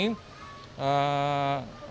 karena baru seminggu ini saya memakai ini